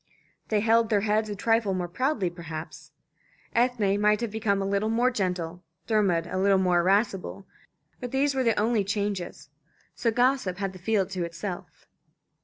They held their heads a trifle more proudly perhaps. Ethne might have become a little more gentle, Dermod a little more irascible, but these were the only changes. So gossip had the field to itself.